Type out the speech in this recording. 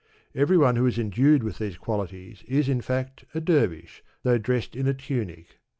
Every one who is endued with these qualities is, in fact, a dervish, though dressed in a tunic.